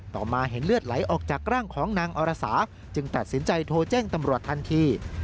ต่อมาเห็นเลือดไหลออกจากร่างของนางอรสาจึงตัดสินใจโทรแจ้งตำรวจทันที